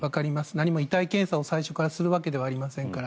何も痛い検査を最初からするわけではありませんから。